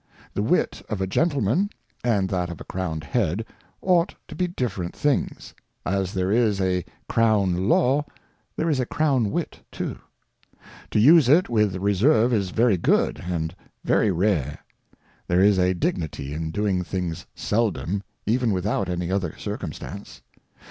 The Wit of a Gentleman, and that of a crowned Head, ought to be different things. As there is a Crown Law, there is a Crown Wit too. To use it with Reserve is very good, and very rare. There is a Dignity in doing things seldom, even without any other Circumstance.